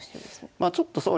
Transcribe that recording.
まあちょっとそうですね